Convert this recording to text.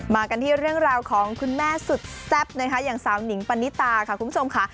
กันที่เรื่องราวของคุณแม่สุดแซ่บนะคะอย่างสาวหนิงปณิตาค่ะคุณผู้ชมค่ะ